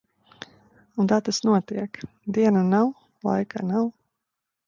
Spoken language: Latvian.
Un tā tas notiek. Dienu nav, laika nav.